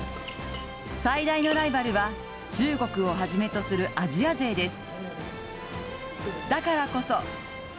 最大のライバルは、中国をはじめとするアジア勢です。